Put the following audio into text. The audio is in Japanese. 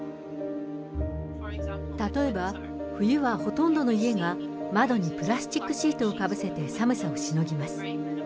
例えば、冬はほとんどの家が、窓にプラスチックシートをかぶせて寒さをしのぎます。